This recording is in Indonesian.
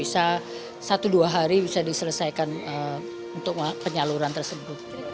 bisa satu dua hari bisa diselesaikan untuk penyaluran tersebut